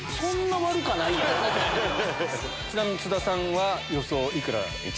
ちなみに津田さんは予想幾らですか？